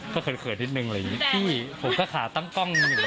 ก็เขินนิดหนึ่งอะไรอย่างนี้พี่ผมก็ขาตั้งกล้องอย่างนี้